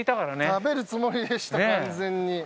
食べるつもりでした完全に。